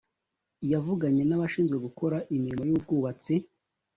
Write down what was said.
yvuganye n’abashinzwe gukora imirimo y’ubwubatsi